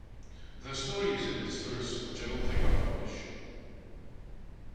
The story is in its verse, which I don't think I'll publish.